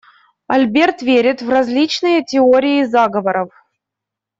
Альберт верит в различные теории заговоров.